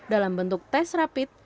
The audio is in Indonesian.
dalam bentuk tes rapid